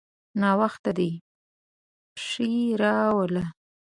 ناوخته دی؛ پښې راواخله.